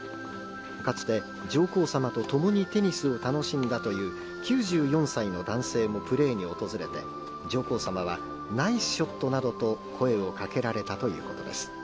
かつて、上皇さまと共にテニスを楽しんだという９４歳の男性もプレーに訪れて、上皇さまは、ナイスショットなどと声をかけられたということです。